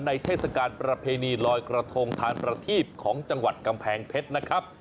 เทศกาลประเพณีลอยกระทงทานประทีบของจังหวัดกำแพงเพชรนะครับ